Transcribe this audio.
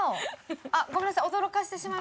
あっごめんなさい。